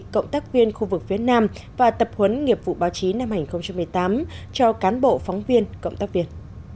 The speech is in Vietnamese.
cộng tác viên khu vực phía nam và tập huấn nghiệp vụ báo chí năm hai nghìn một mươi tám cho cán bộ phóng viên cộng tác viên